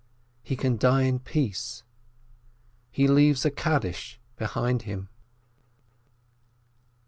He can die in peace, he leaves a Kaddish behind him.